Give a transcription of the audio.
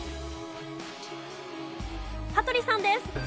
羽鳥さんです。